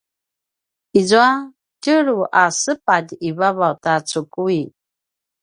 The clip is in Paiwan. izua tjelu a sapitj i vavaw ta cukui